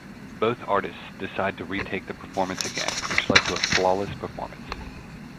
Both artists decided to retake the performance again, which led to a flawless performance.